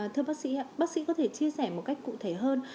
thưa bác sĩ bác sĩ có thể chia sẻ một cách cụ thể hơn